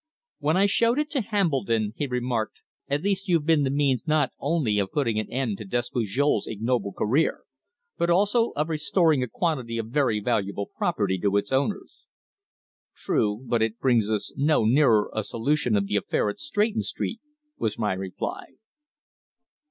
When I showed it to Hambledon, he remarked: "At least you've been the means not only of putting an end to Despujol's ignoble career, but also of restoring a quantity of very valuable property to its owners." "True, but it brings us no nearer a solution of the affair at Stretton Street," was my reply.